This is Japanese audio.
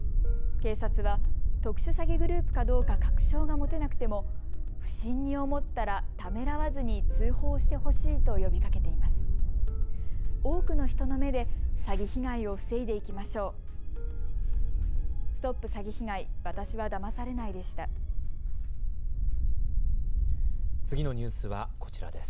警察は特殊詐欺グループかどうか確証が持てなくても不審に思ったらためらわずに通報してほしいと呼びかけています。